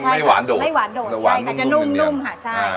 แล้วมันไม่หวานโดดไม่หวานโดดใช่แต่จะนุ่มนุ่มค่ะใช่อ่า